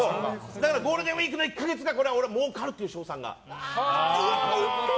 だからゴールデンウィークの１週間でもうかるっていう勝算が。